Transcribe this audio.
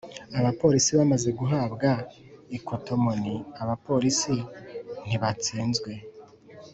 abapolisi bamaze guhabwa ikotomoni, abapolisi ntibatsinzwe